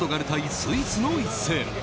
スイスの一戦。